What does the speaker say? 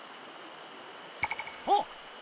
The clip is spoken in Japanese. あっ！